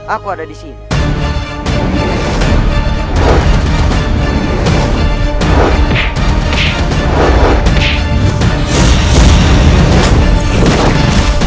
aku ada disini